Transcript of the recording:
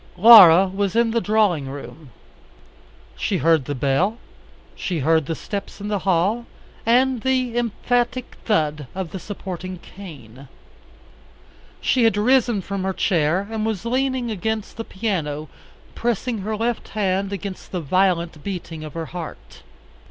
Laura was in the drawing room. She heard the bell, she heard the steps in the hall, and the emphatic thud of the supporting cane. She had risen from her chair and was leaning against the piano, pressing her left hand against the violent beating of her heart.